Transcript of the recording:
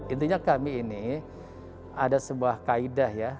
intinya kami ini ada sebuah kaedah ya